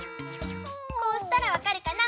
こうしたらわかるかな？